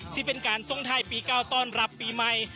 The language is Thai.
จะเป็นการทรงทายปีก้าวตอนรับปีใหม่